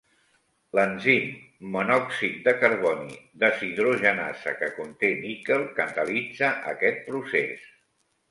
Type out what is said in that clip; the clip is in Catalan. L'enzim monòxid de carboni deshidrogenasa que conté níquel catalitza aquest procés.